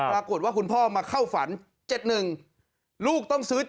ปรากฏว่าคุณพ่อมาเข้าฝัน๗๑ลูกต้องซื้อ๗